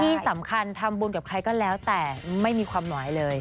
ที่สำคัญทำบุญกับใครก็แล้วแต่ไม่มีความหมายเลย